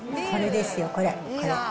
これですよ、これ。